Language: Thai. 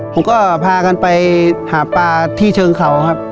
ผมก็พากันไปหาปลาที่เชิงเขาครับ